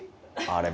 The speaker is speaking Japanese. あれ？